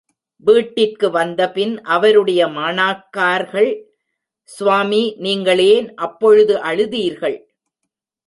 வீட்டிற்கு வந்த பின் அவருடைய மாணர்க்கார்கள், சுவாமி, நீங்கள் ஏன் அப்பொழுது அழுதீர்கள்?